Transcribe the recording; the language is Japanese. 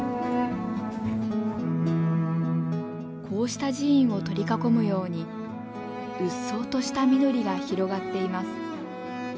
こうした寺院を取り囲むようにうっそうとした緑が広がっています。